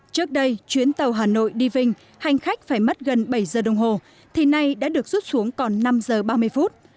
trước đây chuyến tàu hà nội đi vinh hành khách phải mất gần bảy giờ đồng hồ thì nay đã được rút xuống còn năm giờ ba mươi phút